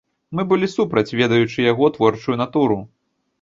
Мы былі супраць, ведаючы яго творчую натуру!